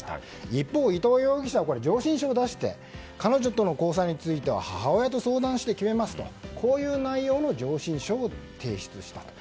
一方伊藤容疑者は上申書を出して彼女との交際について母親と相談して決めますとこういう内容の上申書を提出したと。